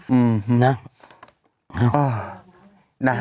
อืมนะ